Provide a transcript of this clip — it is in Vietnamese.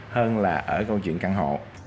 hơn là ở câu chuyện căn hộ